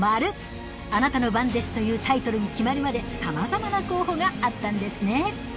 『あなたの番です』というタイトルに決まるまでさまざまな候補があったんですね